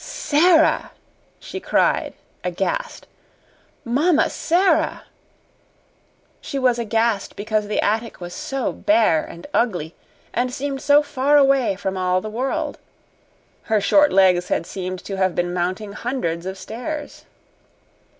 "Sara!" she cried, aghast. "Mamma Sara!" She was aghast because the attic was so bare and ugly and seemed so far away from all the world. Her short legs had seemed to have been mounting hundreds of stairs.